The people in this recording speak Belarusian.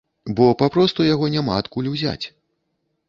Бо, папросту, яго няма адкуль узяць.